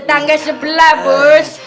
tetangga sebelah bos